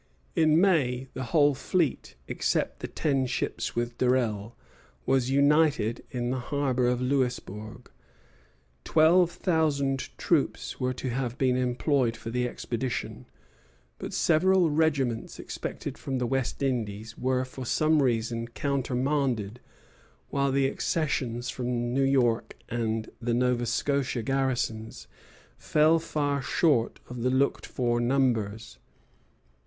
In May the whole fleet, except the ten ships with Durell, was united in the harbor of Louisbourg. Twelve thousand troops were to have been employed for the expedition; but several regiments expected from the West Indies were for some reason countermanded, while the accessions from New York and the Nova Scotia garrisons fell far short of the looked for numbers.